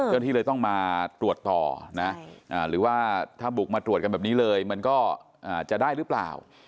ที่เลยต้องมาตรวจต่อนะหรือว่าถ้าบุกมาตรวจกันแบบนี้เลยมันก็จะได้หรือเปล่า